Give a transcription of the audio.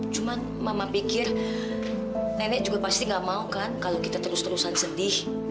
cuma mama pikir nenek juga pasti gak mau kan kalau kita terus terusan sedih